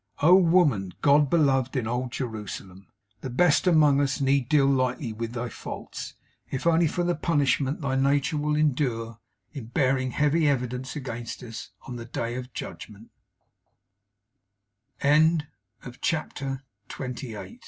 Oh woman, God beloved in old Jerusalem! The best among us need deal lightly with thy faults, if only for the punishment thy nature will endure, in bearing heavy evidence against us, on the Day of Judgme